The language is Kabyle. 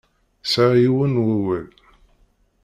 Sɛiɣ yiwen n wawal.